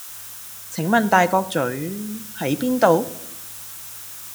請問大角嘴…喺邊度？